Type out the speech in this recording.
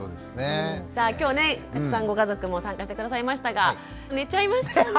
さあ今日ねたくさんご家族も参加して下さいましたが寝ちゃいましたね。